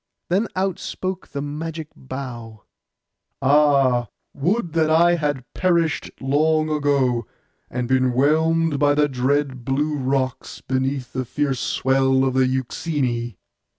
Then out spoke the magic bough, 'Ah, would that I had perished long ago, and been whelmed by the dread blue rocks, beneath the fierce swell of the Euxine!